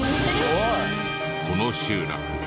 この集落